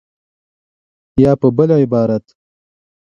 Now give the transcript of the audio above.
یا په بل عبارت